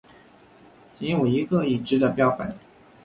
仅有一个已知的标本。